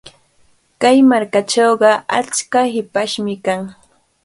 Kay markachawqa achka hipashmi kan.